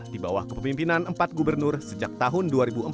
di bawah kepemimpinan empat gubernur sejak tahun dua ribu empat